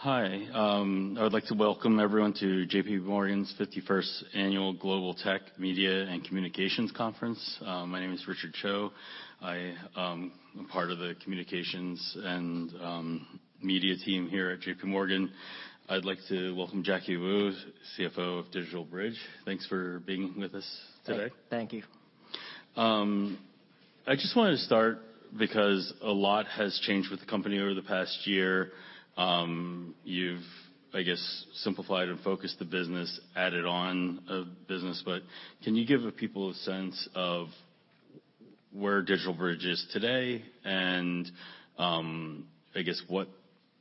Hi. I would like to welcome everyone to J.P. Morgan's 51st annual Global Tech Media and Communications Conference. My name is Richard Cho. I am part of the communications and media team here at J.P. Morgan. I'd like to welcome Jacky Wu, CFO of DigitalBridge. Thanks for being with us today. Thank you. I just wanted to start because a lot has changed with the company over the past year. You've, I guess, simplified and focused the business, added on a business. Can you give people a sense of where DigitalBridge is today and, I guess what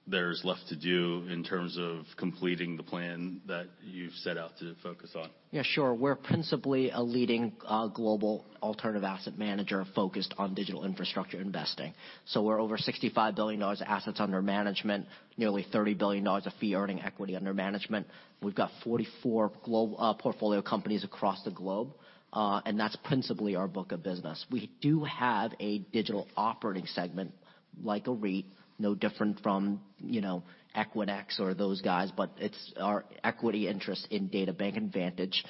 there's left to do in terms of completing the plan that you've set out to focus on? Sure. We're principally a leading, global alternative asset manager focused on digital infrastructure investing. We're over $65 billion assets under management, nearly $30 billion of fee earning equity under management. We've got 44 portfolio companies across the globe, and that's principally our book of business. We do have a digital operating segment, like a REIT, no different from, you know, Equinix or those guys, but it's our equity interest in DataBank and Vantage.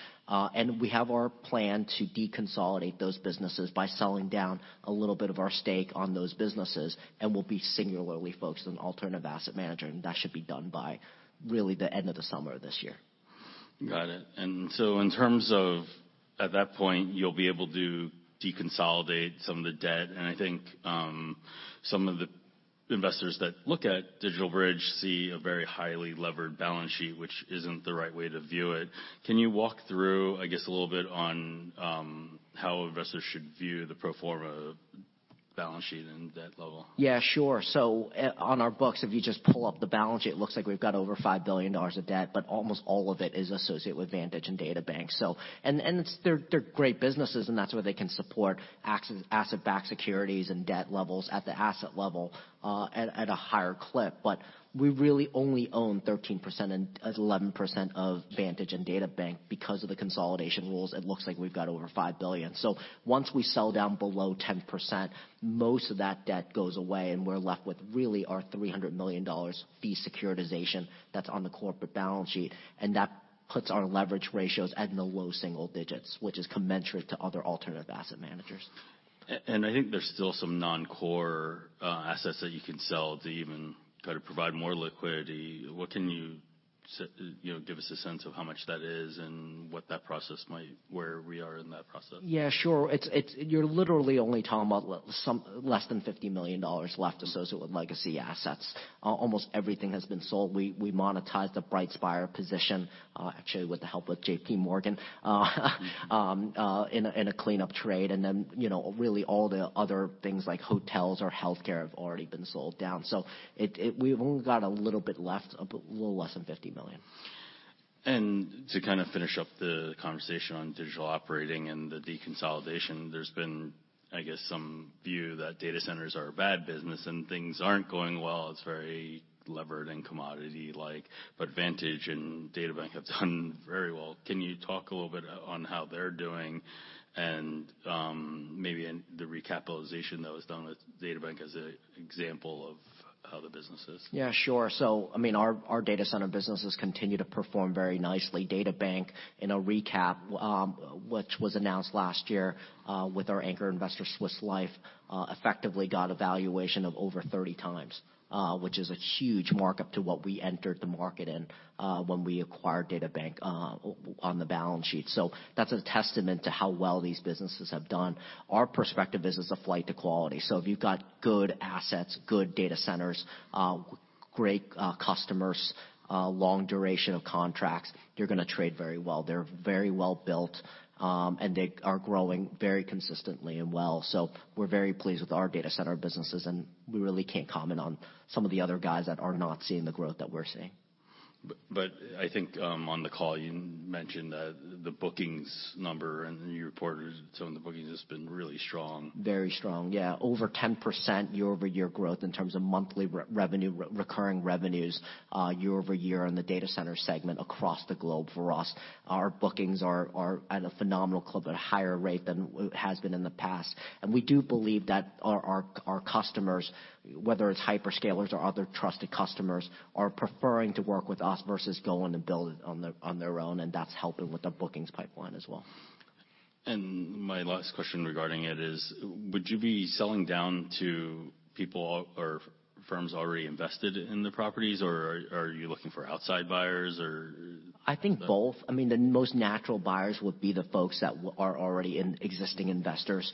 We have our plan to deconsolidate those businesses by selling down a little bit of our stake on those businesses, and we'll be singularly focused on alternative asset management. That should be done by really the end of the summer this year. Got it. In terms of at that point, you'll be able to deconsolidate some of the debt, and I think, some of the investors that look at DigitalBridge see a very highly levered balance sheet, which isn't the right way to view it. Can you walk through, I guess, a little bit on, how investors should view the pro forma balance sheet and debt level? Yeah, sure. On our books, if you just pull up the balance sheet, it looks like we've got over $5 billion of debt, but almost all of it is associated with Vantage and DataBank. They're great businesses, and that's where they can support asset-backed securities and debt levels at the asset level, at a higher clip. We really only own 13% and 11% of Vantage and DataBank. Because of the consolidation rules, it looks like we've got over $5 billion. Once we sell down below 10%, most of that debt goes away and we're left with really our $300 million fee securitization that's on the corporate balance sheet. That puts our leverage ratios in the low single digits, which is commensurate to other alternative asset managers. I think there's still some non-core assets that you can sell to even kind of provide more liquidity. What can you know, give us a sense of how much that is and what that process, where we are in that process? Yeah, sure. You're literally only talking about less than $50 million left associated with legacy assets. Almost everything has been sold. We monetized the BrightSpire position, actually with the help of J.P. Morgan in a cleanup trade. You know, really all the other things like hotels or healthcare have already been sold down. We've only got a little bit left, little less than $50 million. To kind of finish up the conversation on digital operating and the deconsolidation, there's been, I guess, some view that data centers are a bad business and things aren't going well. It's very levered and commodity-like, but Vantage and DataBank have done very well. Can you talk a little on how they're doing and maybe in the recapitalization that was done with DataBank as a example of how the business is? Yeah, sure. Our, our data center businesses continue to perform very nicely. DataBank in a recap, which was announced last year, with our anchor investor, Swiss Life, effectively got a valuation of over 30 times, which is a huge markup to what we entered the market in, when we acquired DataBank, on the balance sheet. That's a testament to how well these businesses have done. Our perspective is it's a flight to quality. If you've got good assets, good data centers, great customers, long duration of contracts, you're gonna trade very well. They're very well built, and they are growing very consistently and well. We're very pleased with our data center businesses, and we really can't comment on some of the other guys that are not seeing the growth that we're seeing. I think, on the call, you mentioned that the bookings number and you reported some of the bookings has been really strong. Very strong, yeah. Over 10% year-over-year growth in terms of monthly recurring revenues year-over-year on the data center segment across the globe for us. Our bookings are at a higher rate than has been in the past. We do believe that our customers, whether it's hyper-scalers or other trusted customers, are preferring to work with us versus going to build it on their own, and that's helping with the bookings pipeline as well. My last question regarding it is, would you be selling down to people or firms already invested in the properties, or are you looking for outside buyers or-? I think both. I mean, the most natural buyers would be the folks that are already in existing investors.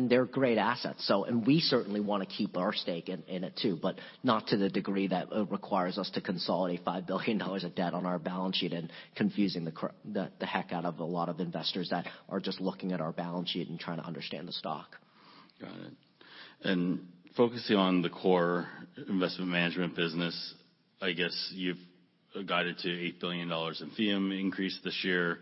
They're great assets. We certainly wanna keep our stake in it too, but not to the degree that it requires us to consolidate $5 billion of debt on our balance sheet and confusing the heck out of a lot of investors that are just looking at our balance sheet and trying to understand the stock. Got it. Focusing on the core investment management business, I guess you've guided to $8 billion in fee increase this year.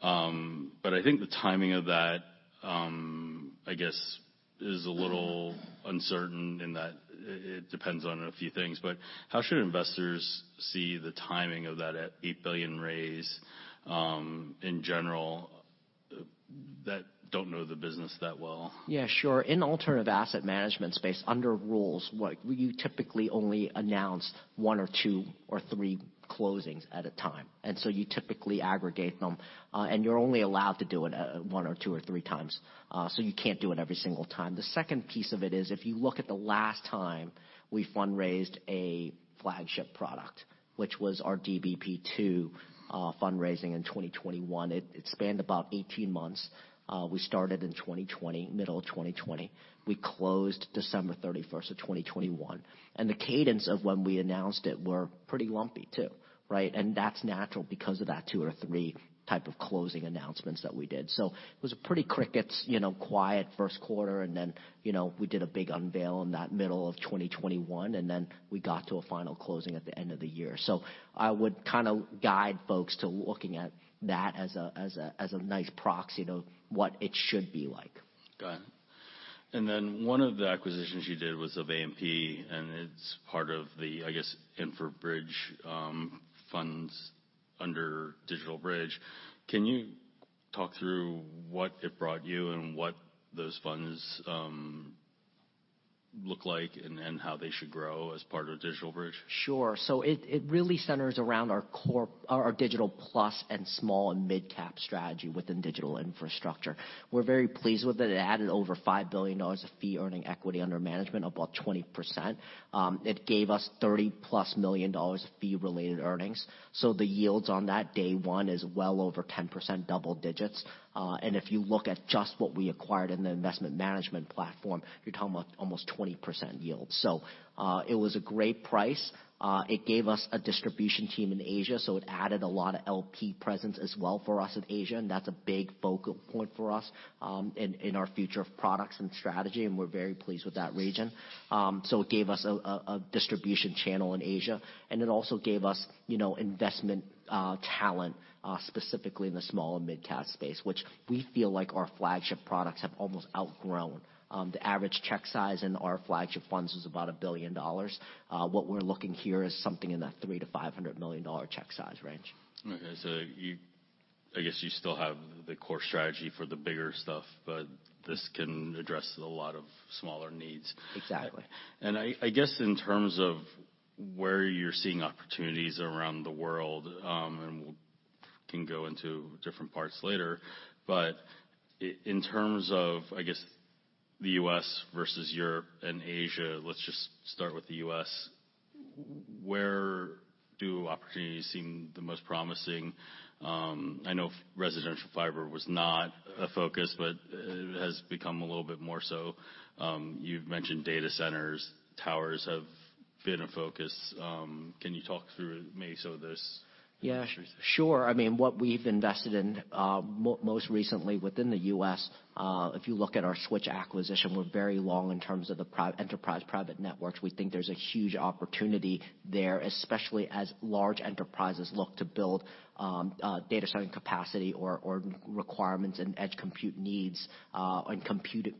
I think the timing of that, I guess is a little uncertain in that it depends on a few things. How should investors see the timing of that $8 billion raise in general? That don't know the business that well. Yeah, sure. In alternative asset management space, under rules, you typically only announce 1 or 2 or 3 closings at a time. You typically aggregate them. You're only allowed to do it 1 or 2 or 3 times. You can't do it every single time. The second piece of it is, if you look at the last time we fundraised a flagship product, which was our DBP2 fundraising in 2021. It spanned about 18 months. We started in 2020, middle of 2020. We closed December 31st of 2021, the cadence of when we announced it were pretty lumpy, too, right? That's natural because of that 2 or 3 type of closing announcements that we did. It was a pretty cricket, you know, quiet first 1/4 and then, you know, we did a big unveil in that middle of 2021, and then we got to a final closing at the end of the year. I would kinda guide folks to looking at that as a, as a, as a nice proxy to what it should be like. Got it. 1of the acquisitions you did was of AMP, and it's part of the, I guess, InfraBridge funds under DigitalBridge. Can you talk through what it brought you and what those funds look like and how they should grow as part of DigitalBridge? Sure. It, it really centers around our digital plus and small and midcap strategy within digital infrastructure. We're very pleased with it. It added over $5 billion of fee-earning equity under management, about 20%. It gave us $30+ million of fee-related earnings. The yields on that day 1 is well over 10% double digits. If you look at just what we acquired in the investment management platform, you're talking about almost 20% yield. It was a great price. It gave us a distribution team in Asia, so it added a lot of LP presence as well for us in Asia, and that's a big focal point for us in our future of products and strategy, and we're very pleased with that region. It gave us a distribution channel in Asia, it also gave us, you know, investment talent, specifically in the small and midcap space. Which we feel like our flagship products have almost outgrown. The average check size in our flagship funds is about $1 billion. We're looking here is something in that $300 million-$500 million check size range. Okay. I guess you still have the core strategy for the bigger stuff, but this can address a lot of smaller needs. Exactly. I guess in terms of where you're seeing opportunities around the world, and we can go into different parts later. In terms of, I guess, the U.S. versus Europe and Asia, let's just start with the U.S. Where do opportunities seem the most promising? I know residential fiber was not a focus but has become a little bit more so. You've mentioned data centers, towers have been a focus. Can you talk through maybe some of those initiatives? Yeah, sure. I mean, what we've invested in, most recently within the U.S., if you look at our Switch acquisition, we're very long in terms of the enterprise private networks. We think there's a huge opportunity there, especially as large enterprises look to build data center capacity or requirements and edge compute needs, and compute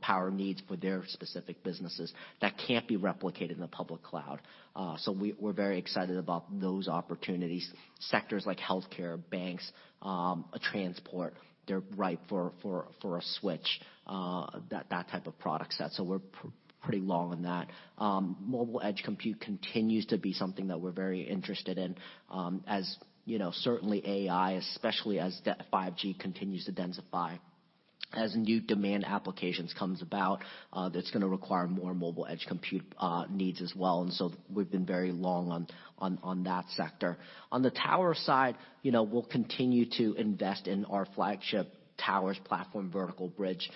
power needs for their specific businesses that can't be replicated in the public cloud. We're very excited about those opportunities. Sectors like healthcare, banks, transport, they're ripe for a Switch, that type of product set. We're pretty long on that. mobile edge compute continues to be something that we're very interested in. As, you know, certainly AI, especially as that 5G continues to densify, as new demand applications comes about, that's gonna require more mobile edge compute needs as well. We've been very long on that sector. On the tower side, you know, we'll continue to invest in our flagship towers platform, Vertical Bridge.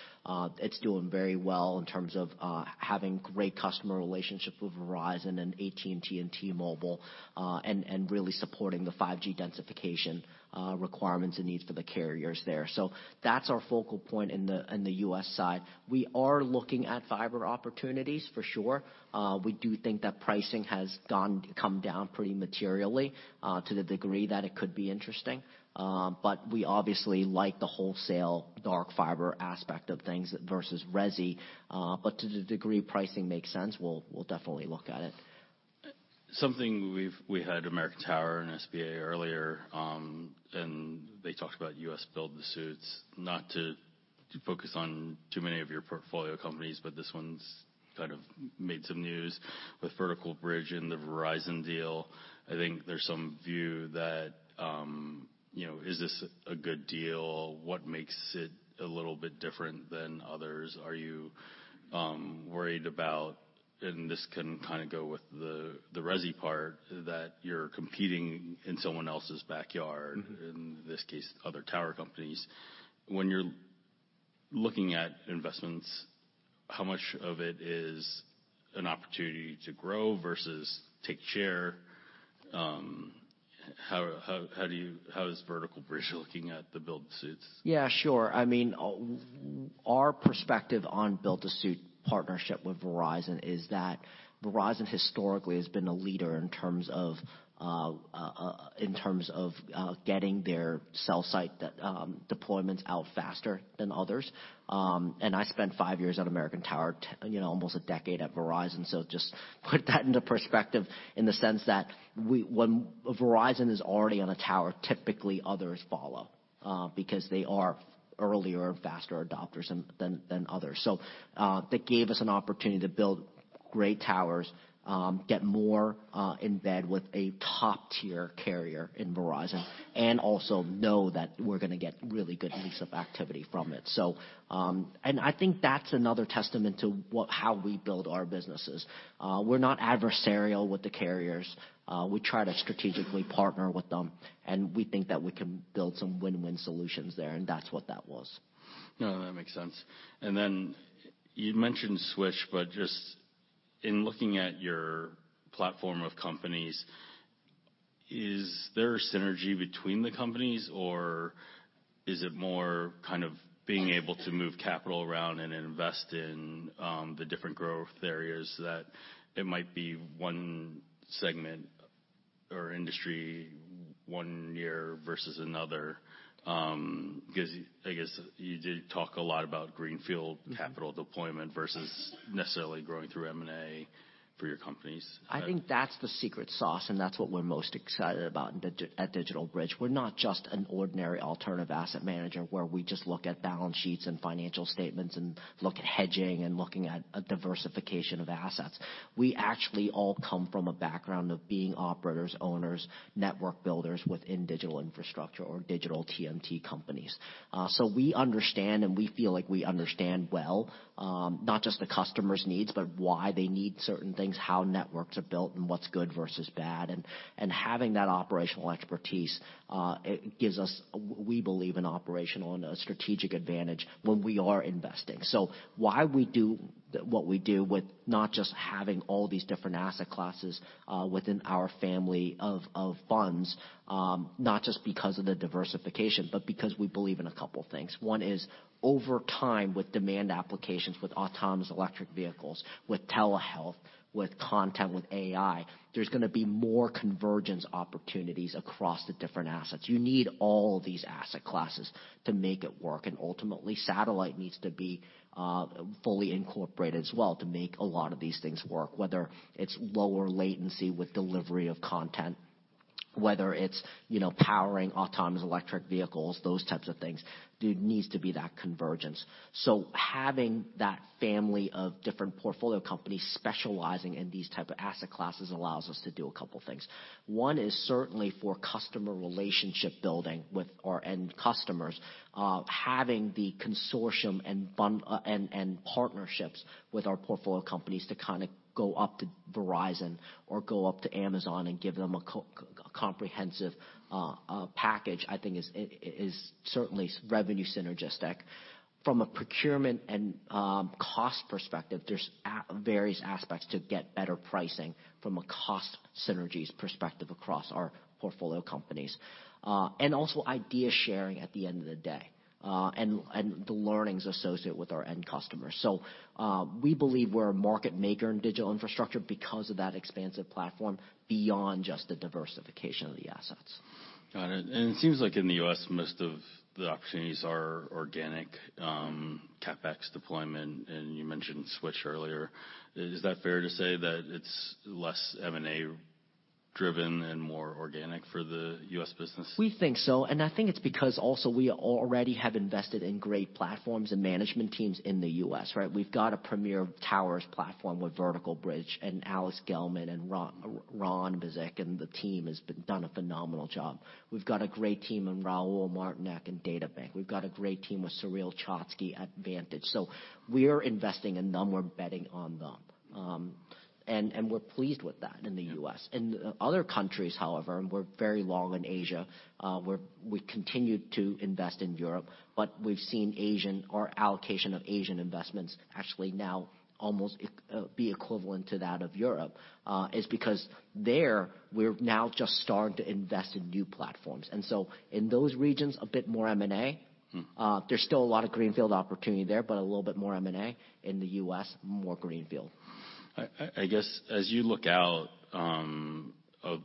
It's doing very well in terms of having great customer relationship with Verizon and AT&T and T-Mobile, and really supporting the 5G densification requirements and needs for the carriers there. That's our focal point in the U.S. side. We are looking at fiber opportunities for sure. We do think that pricing has come down pretty materially, to the degree that it could be interesting. We obviously like the wholesale dark fiber aspect of things versus resi. To the degree pricing makes sense, we'll definitely look at it. Something We had American Tower and SBA earlier, and they talked about U.S. build-to-suits. Not to focus on too many of your portfolio companies, but this one's kind of made some news with Vertical Bridge and the Verizon deal. I think there's some view that, you know, is this a good deal? What makes it a little bit different than others? Are you worried about, and this can kinda go with the resi part, that you're competing in someone else's backyard... Mm-hmm. -in this case, other tower companies. When you're looking at investments, how much of it is an opportunity to grow versus take share? How is Vertical Bridge looking at the build-to-suits? Yeah, sure. I mean, our perspective on build-to-suit partnership with Verizon is that Verizon historically has been a leader in terms of, in terms of getting their cell site de-deployments out faster than others. I spent 4 years at American Tower, you know, almost a decade at Verizon. Just put that into perspective in the sense that when Verizon is already on a tower, typically others follow, because they are earlier and faster adopters than others. That gave us an opportunity to build great towers, get more in bed with a top-tier carrier in Verizon, and also know that we're gonna get really good lease-up activity from it. I think that's another testament to how we build our businesses. We're not adversarial with the carriers. We try to strategically partner with them, and we think that we can build some win-win solutions there, and that's what that was. No, that makes sense. You mentioned Switch, but just in looking at your platform of companies, is there a synergy between the companies, or is it more kind of being able to move capital around and invest in the different growth areas that it might be 1 segment or industry 1 year versus another? I guess you did talk a lot about greenfield capital deployment versus necessarily growing through M&A for your companies. I think that's the secret sauce, and that's what we're most excited about at DigitalBridge. We're not just an ordinary alternative asset manager, where we just look at balance sheets and financial statements and look at hedging and looking at a diversification of assets. We actually all come from a background of being operators, owners, network builders within digital infrastructure or digital TMT companies. We understand and we feel like we understand well, not just the customer's needs, but why they need certain things, how networks are built, and what's good versus bad. Having that operational expertise, it gives us, we believe, an operational and a strategic advantage when we are investing. Why we do what we do with not just having all these different asset classes within our family of funds, not just because of the diversification, but because we believe in a couple things. 1 is, over time, with demand applications, with autonomous electric vehicles, with telehealth, with content, with AI, there's gonna be more convergence opportunities across the different assets. You need all these asset classes to make it work, and ultimately, satellite needs to be fully incorporated as well to make a lot of these things work, whether it's lower latency with delivery of content, whether it's, you know, powering autonomous electric vehicles, those types of things, there needs to be that convergence. Having that family of different portfolio companies specializing in these type of asset classes allows us to do a couple things. 1 is certainly for customer relationship building with our end customers. Having the consortium and partnerships with our portfolio companies to kinda go up to Verizon or go up to Amazon and give them a comprehensive package, I think is certainly revenue synergistic. From a procurement and cost perspective, there's various aspects to get better pricing from a cost synergies perspective across our portfolio companies. And also idea sharing at the end of the day, and the learnings associated with our end customers. We believe we're a market maker in digital infrastructure because of that expansive platform beyond just the diversification of the assets. Got it. It seems like in the U.S., most of the opportunities are organic, CapEx deployment, and you mentioned Switch earlier. Is that fair to say that it's less M&A driven and more organic for the U.S. business? We think so, I think it's because also we already have invested in great platforms and management teams in the U.S., right? We've got a premier towers platform with Vertical Bridge and Alex Gellman and Ron Bizick and the team has done a phenomenal job. We've got a great team in Raul Martynek and DataBank. We've got a great team with Sureel Choksi at Vantage. We're investing in them. We're betting on them. We're pleased with that in the U.S. In other countries, however, and we're very long in Asia, we continue to invest in Europe, but we've seen Asian or allocation of Asian investments actually now almost be equivalent to that of Europe, is because there, we're now just starting to invest in new platforms. In those regions, a bit more M&A. Mm. There's still a lot of greenfield opportunity there, but a little bit more M&A. In the U.S., more greenfield. I guess, as you look out, of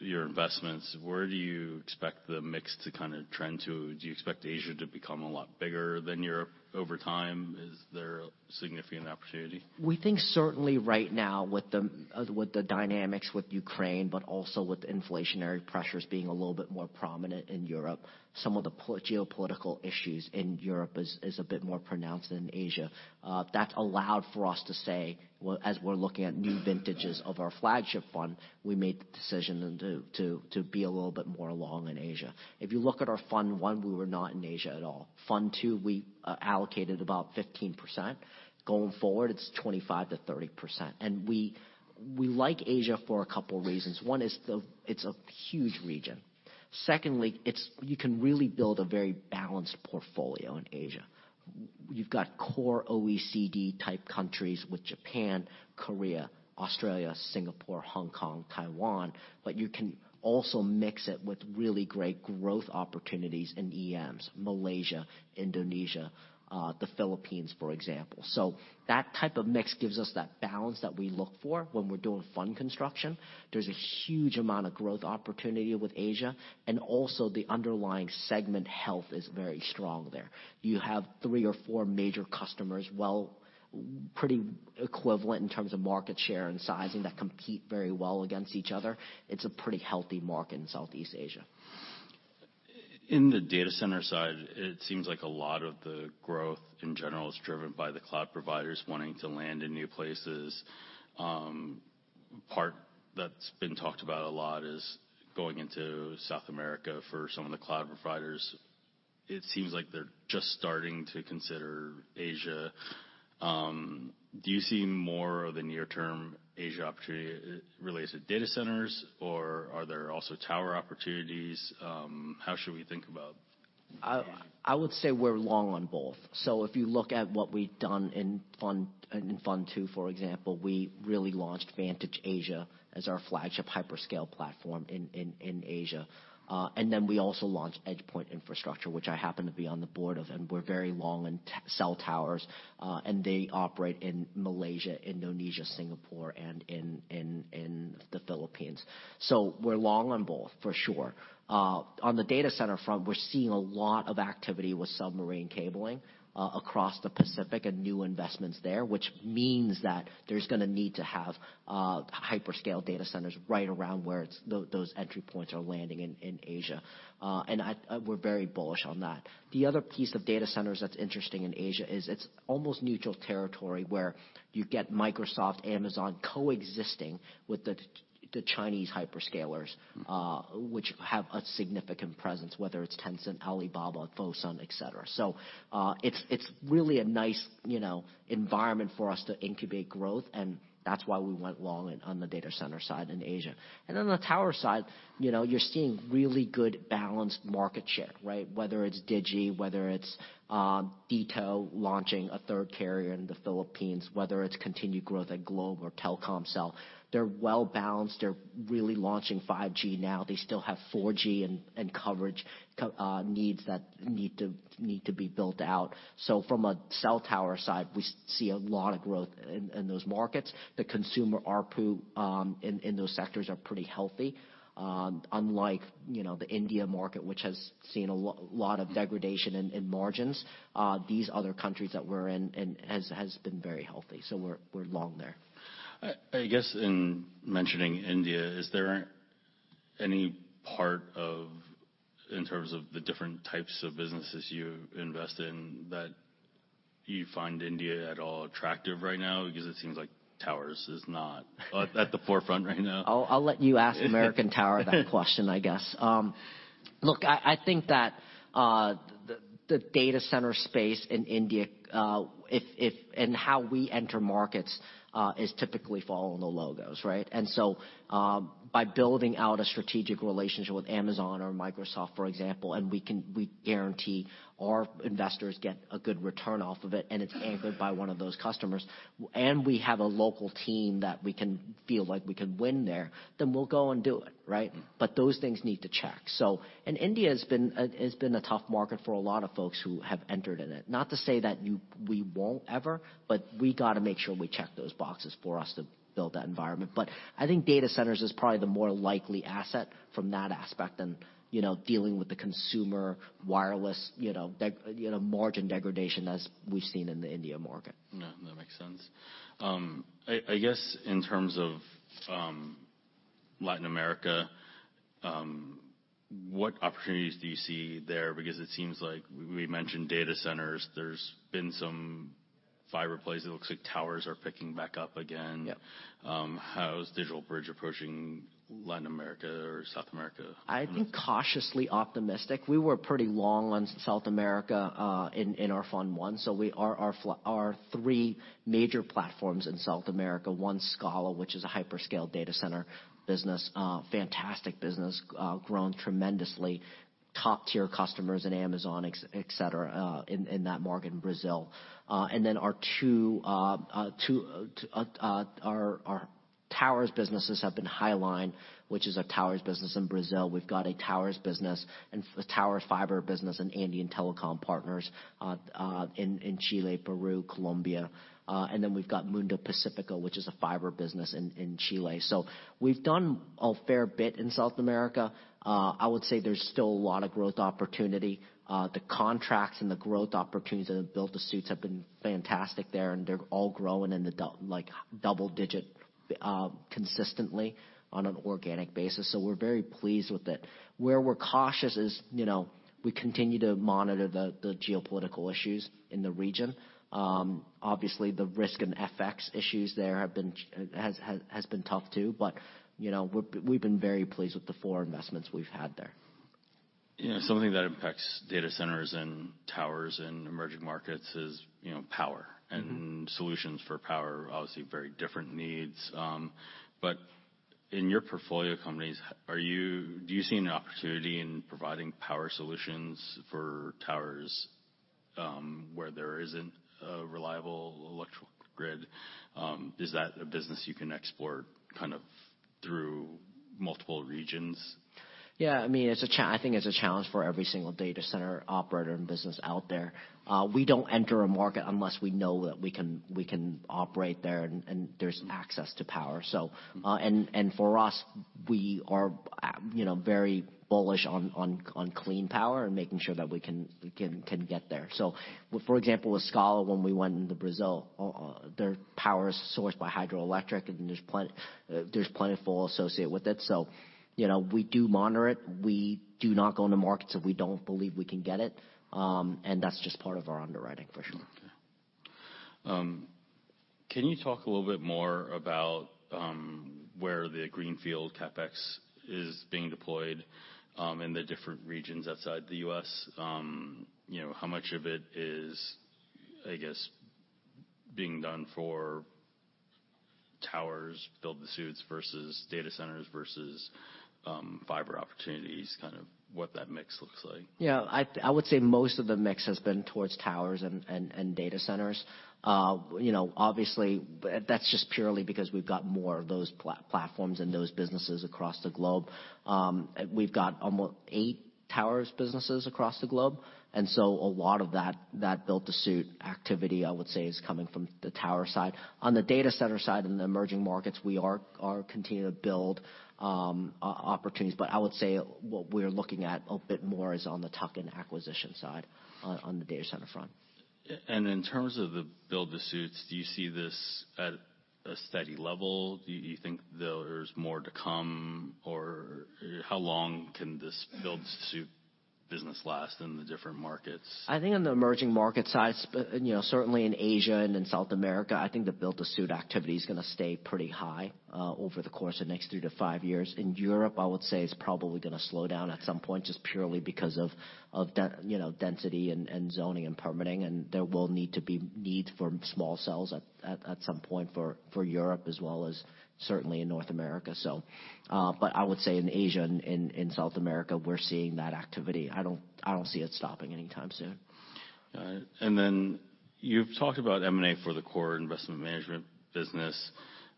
your investments, where do you expect the mix to kinda trend to? Do you expect Asia to become a lot bigger than Europe over time? Is there a significant opportunity? We think certainly right now with the dynamics with Ukraine, but also with inflationary pressures being a little bit more prominent in Europe, some of the geopolitical issues in Europe is a bit more pronounced than Asia. That's allowed for us to say, well, as we're looking at new vintages of our flagship fund, we made the decision to be a little bit more long in Asia. If you look at our Fund 1, we were not in Asia at all. Fund 2, we allocated about 15%. Going forward, it's 25%-30%. We like Asia for a couple reasons. 1 is the. It's a huge region. Secondly, you can really build a very balanced portfolio in Asia. You've got core OECD-type countries with Japan, Korea, Australia, Singapore, Hong Kong, Taiwan, but you can also mix it with really great growth opportunities in EMs, Malaysia, Indonesia, the Philippines, for example. That type of mix gives us that balance that we look for when we're doing fund construction. There's a huge amount of growth opportunity with Asia, and also the underlying segment health is very strong there. You have 3 or 4 major customers, well, pretty equivalent in terms of market share and sizing that compete very well against each other. It's a pretty healthy market in Southeast Asia. In the data center side, it seems like a lot of the growth in general is driven by the cloud providers wanting to land in new places. Part that's been talked about a lot is going into South America for some of the cloud providers. It seems like they're just starting to consider Asia. Do you see more of the near term Asia opportunity related to data centers, or are there also tower opportunities? How should we think about Asia? I would say we're long on both. If you look at what we've done in fund 2, for example, we really launched Vantage Asia as our flagship hyper scale platform in Asia. Then we also launched EdgePoint Infrastructure, which I happen to be on the board of, and we're very long in cell towers, and they operate in Malaysia, Indonesia, Singapore, and in the Philippines. We're long on both, for sure. On the data center front, we're seeing a lot of activity with submarine cabling across the Pacific and new investments there, which means that there's gonna need to have hyper scale data centers right around where those entry points are landing in Asia. I, we're very bullish on that. The other piece of data centers that's interesting in Asia is it's almost neutral territory where you get Microsoft, Amazon coexisting with the Chinese hyper scalers, which have a significant presence, whether it's Tencent, Alibaba, Fosun, et cetera. It's really a nice, you know, environment for us to incubate growth, and that's why we went long on the data center side in Asia. The tower side, you know, you're seeing really good balanced market share, right? Whether it's Digi, whether it's DITO launching a third carrier in the Philippines, whether it's continued growth at Globe or Telkomsel. They're well balanced. They're really launching 5G now. They still have 4G and coverage needs that need to be built out. From a cell tower side, we see a lot of growth in those markets. The consumer ARPU in those sectors are pretty healthy. Unlike, you know, the India market, which has seen a lot of degradation in margins. These other countries that we're in has been very healthy, we're long there. I guess in mentioning India, is there any part of, in terms of the different types of businesses you invest in that you find India at all attractive right now? Because it seems like towers is not at the forefront right now. I'll let you ask American Tower that question, I guess. Look, I think that the data center space in India, how we enter markets is typically following the logos, right? By building out a strategic relationship with Amazon or Microsoft, for example, we guarantee our investors get a good return off of it, and it's anchored by 1 of those customers, and we have a local team that we can feel like we can win there, then we'll go and do it, right? Those things need to check. India has been a tough market for a lot of folks who have entered in it. Not to say that we won't ever, but we gotta make sure we check those boxes for us to build that environment. I think data centers is probably the more likely asset from that aspect than, you know, dealing with the consumer wireless, you know, margin degradation as we've seen in the India market. No, that makes sense. I guess in terms of Latin America, what opportunities do you see there? Because it seems like we mentioned data centers. There's been some fiber plays. It looks like towers are picking back up again. Yep. How is DigitalBridge approaching Latin America or South America? optimistic. We were pretty long on South America in our fund 1. Our 3 major platforms in South America, 1 Scala, which is a hyper scale data center business, fantastic business, grown tremendously. Top-tier customers in Amazon, et cetera, in that market in Brazil. And then our 2 towers businesses have been Highline, which is a towers business in Brazil. We've got a towers business and towers fiber business in Andean Telecom Partners in Chile, Peru, Colombia. And then we've got Mundo Pacifico, which is a fiber business in Chile. So we've done a fair bit in South America. I would say there's still a lot of growth opportunity. The contracts and the growth opportunities that have built the suits have been fantastic there, and they're all growing in the like double-digit, consistently on an organic basis. We're very pleased with it. Where we're cautious is, you know, we continue to monitor the geopolitical issues in the region. Obviously the risk and FX issues there has been tough too. You know, we're, we've been very pleased with the 4 investments we've had there. Yeah. Something that impacts data centers and towers in emerging markets is, you know. Mm-hmm. -and solutions for power, obviously very different needs. In your portfolio companies, do you see an opportunity in providing power solutions for towers, where there isn't a reliable electrical grid? Is that a business you can explore kind of through multiple regions? I mean, I think it's a challenge for every single data center operator and business out there. We don't enter a market unless we know that we can operate there and there's access to power. And for us, we are, you know, very bullish on clean power and making sure that we can get there. For example, with Scala, when we went into Brazil, their power is sourced by hydroelectric, and there's plentiful associated with it. You know, we do monitor it. We do not go into markets if we don't believe we can get it. That's just part of our underwriting for sure. Can you talk a little bit more about where the greenfield CapEx is being deployed in the different regions outside the U.S.? You know, how much of it is, I guess, being done for towers, build-to-suits versus data centers versus fiber opportunities, kind of what that mix looks like. Yeah. I would say most of the mix has been towards towers and data centers. You know, obviously that's just purely because we've got more of those platforms and those businesses across the globe. We've got almost 8 towers businesses across the globe. So a lot of that build-to-suit activity, I would say is coming from the tower side. On the data center side in the emerging markets, we are continuing to build opportunities, but I would say what we're looking at a bit more is on the tuck-in acquisition side on the data center front. In terms of the build-to-suits, do you see this at a steady level? Do you think there's more to come? How long can this build-to-suit business last in the different markets? I think on the emerging market side, you know, certainly in Asia and in South America, I think the build-to-suit activity is gonna stay pretty high over the course of next 3-5 years. In Europe, I would say it's probably gonna slow down at some point, just purely because of density and zoning and permitting, and there will need to be need for small cells at some point for Europe as well as certainly in North America. But I would say in Asia and in South America, we're seeing that activity. I don't see it stopping anytime soon. All right. You've talked about M&A for the core investment management business.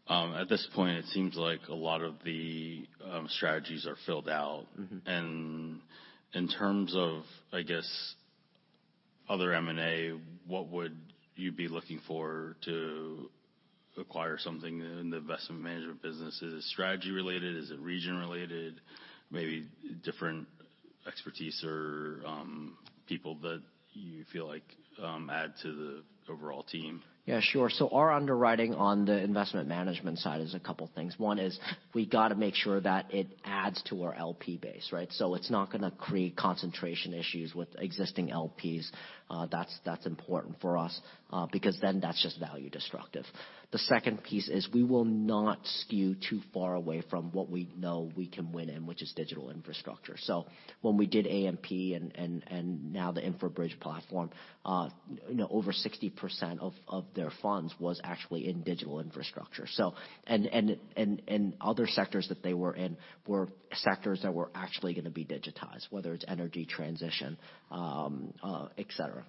At this point, it seems like a lot of the strategies are filled out. Mm-hmm. In terms of, I guess, other M&A, what would you be looking for to acquire something in the investment management business? Is it strategy related? Is it region related? Maybe different expertise or people that you feel like add to the overall team? Yeah, sure. Our underwriting on the investment management side is a couple things. 1 is we gotta make sure that it adds to our LP base, right? It's not gonna create concentration issues with existing LPs. That's important for us, because then that's just value destructive. The second piece is we will not skew too far away from what we know we can win in, which is digital infrastructure. When we did AMP and now the InfraBridge platform, you know, over 60% of their funds was actually in digital infrastructure. Other sectors that they were in were sectors that were actually gonna be digitized, whether it's energy transition, et cetera.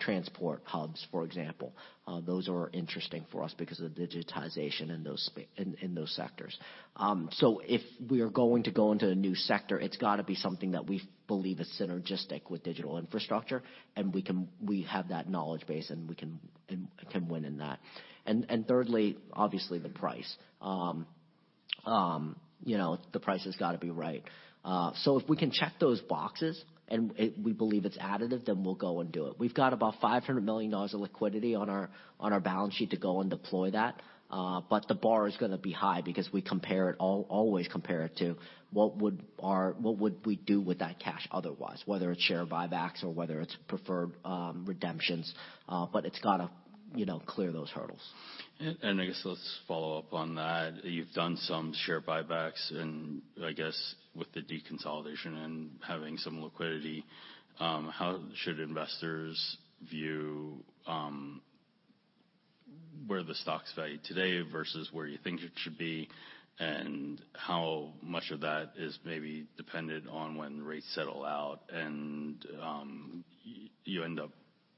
Transport hubs, for example, those are interesting for us because of the digitization in those sectors. If we are going to go into a new sector, it's gotta be something that we believe is synergistic with digital infrastructure, and we have that knowledge base, and we can win in that. Thirdly, obviously the price. You know, the price has gotta be right. If we can check those boxes and we believe it's additive, we'll go and do it. We've got about $500 million of liquidity on our balance sheet to go and deploy that. The bar is gonna be high because we compare it, always compare it to what would we do with that cash otherwise, whether it's share buybacks or whether it's preferred redemptions. It's gotta, you know, clear those hurdles. I guess let's follow up on that. You've done some share buybacks and, I guess with the deconsolidation and having some liquidity, how should investors view where the stock's valued today versus where you think it should be? How much of that is maybe dependent on when rates settle out and you end up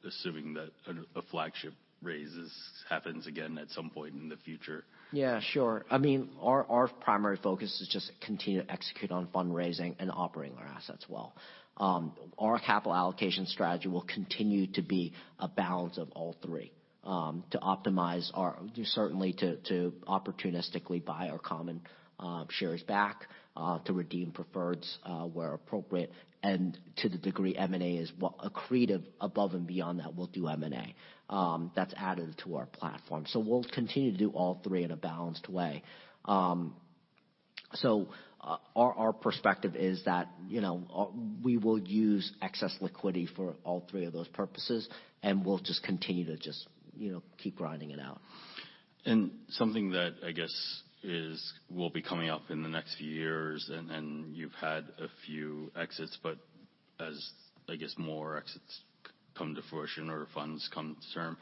assuming that a flagship raises happens again at some point in the future? Yeah, sure. I mean, our primary focus is just continue to execute on fundraising and operating our assets well. Our capital allocation strategy will continue to be a balance of all 3, to optimize our, certainly to opportunistically buy our common shares back, to redeem preferreds, where appropriate, and to the degree M&A is accretive above and beyond that, we'll do M&A that's added to our platform. We'll continue to do all 3 in a balanced way. Our perspective is that, you know, we will use excess liquidity for all 3 of those purposes, and we'll just continue to, you know, keep grinding it out. Something that I guess will be coming up in the next few years, and you've had a few exits, but as, I guess, more exits come to fruition or funds come to term,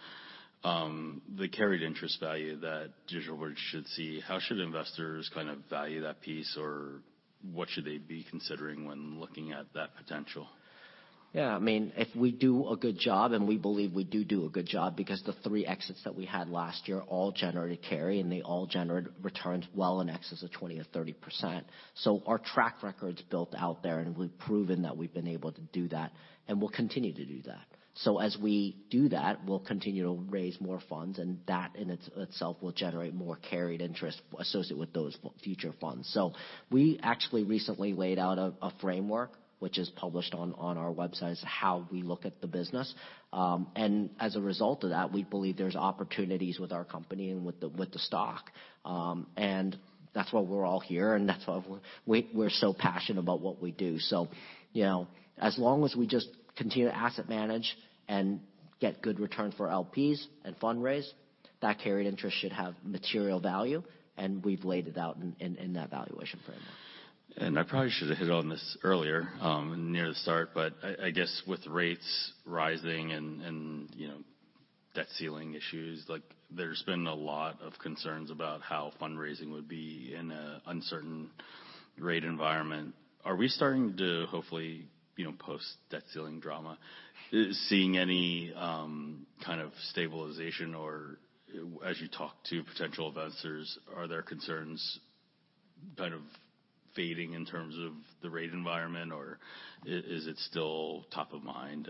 the carried interest value that DigitalBridge should see, how should investors kind of value that piece, or what should they be considering when looking at that potential? I mean, if we do a good job, and we believe we do a good job because the 3 exits that we had last year all generated carry, and they all generated returns well in excess of 20% or 30%. Our track record's built out there, and we've proven that we've been able to do that, and we'll continue to do that. As we do that, we'll continue to raise more funds, and that in itself will generate more carried interest associated with those future funds. We actually recently laid out a framework which is published on our website as how we look at the business. As a result of that, we believe there's opportunities with our company and with the stock. That's why we're all here, and that's why we're so passionate about what we do. You know, as long as we just continue to asset manage and get good return for LPs and fundraise. That carried interest should have material value, and we've laid it out in that valuation frame. I probably should have hit on this earlier, near the start, but I guess with rates rising and you know, debt ceiling issues, like there's been a lot of concerns about how fundraising would be in an uncertain rate environment. Are we starting to hopefully, you know, post debt ceiling drama, seeing any kind of stabilization or as you talk to potential investors, are there concerns kind of fading in terms of the rate environment, or is it still top of mind?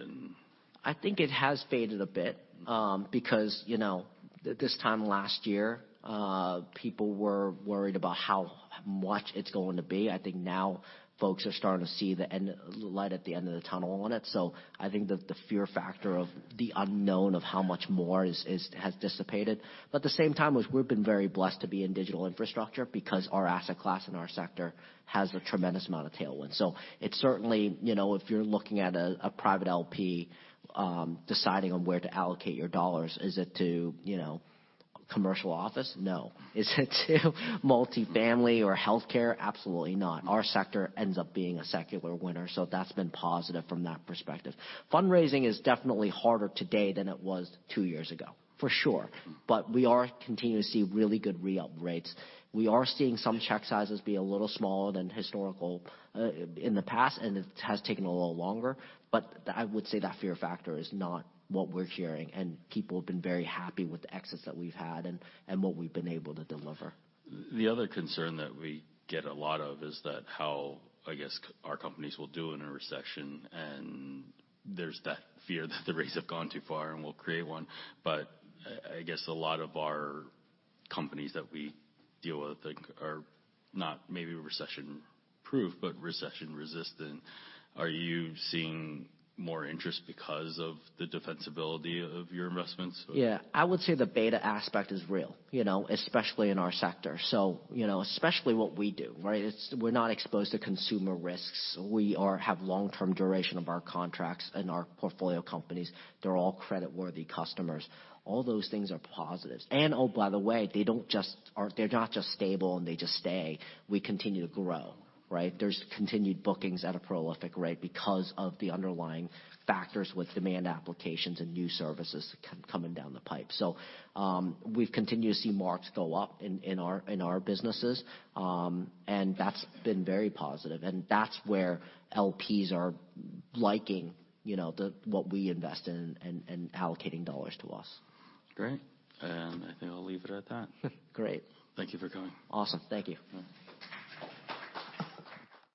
I think it has faded a bit, because, you know, this time last year, people were worried about how much it's going to be. I think now folks are starting to see the light at the end of the tunnel on it. I think the fear factor of the unknown of how much more has dissipated. At the same time, we've been very blessed to be in digital infrastructure because our asset class and our sector has a tremendous amount of tailwind. It certainly, you know, if you're looking at a private LP, deciding on where to allocate your dollars, is it to, you know, commercial office? No. Is it to multifamily or healthcare? Absolutely not. Our sector ends up being a secular winner, that's been positive from that perspective. Fundraising is definitely harder today than it was 2 years ago, for sure. We are continuing to see really good re-up rates. We are seeing some check sizes be a little smaller than historical in the past, and it has taken a little longer, but I would say that fear factor is not what we're hearing, and people have been very happy with the exits that we've had and what we've been able to deliver. The other concern that we get a lot of is that how, I guess, our companies will do in a recession, and there's that fear that the rates have gone too far and will create 1. I guess a lot of our companies that we deal with, like, are not maybe recession-proof, but recession-resistant. Are you seeing more interest because of the defensibility of your investments or? Yeah. I would say the beta aspect is real, you know, especially in our sector. You know, especially what we do, right? We're not exposed to consumer risks. We have long-term duration of our contracts and our portfolio companies. They're all credit-worthy customers. All those things are positives. Oh, by the way, they're not just stable, and they just stay. We continue to grow, right? There's continued bookings at a prolific rate because of the underlying factors with demand applications and new services coming down the pipe. We've continued to see marks go up in our businesses, and that's been very positive, and that's where LPs are liking, you know, what we invest in and allocating dollars to us. Great. I think I'll leave it at that. Great. Thank you for coming. Awesome. Thank you. All right.